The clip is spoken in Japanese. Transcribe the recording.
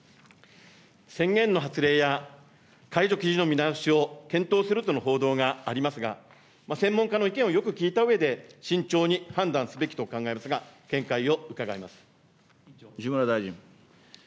宣言の発令や、解除基準の見直しを検討するとの報道がありますが、専門家の意見をよく聞いたうえで、慎重に判断すべきと考え西村大臣。